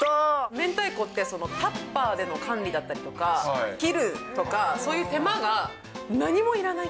めんたいこってタッパーでの管理だったりとか、切るとか、そういう手間が何もいらない。